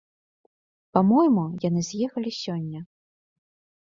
Па-мойму, яны з'ехалі сёння.